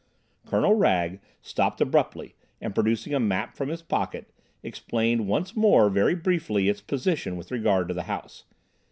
Colonel Wragge stopped abruptly, and, producing a map from his pocket, explained once more very briefly its position with regard to the house.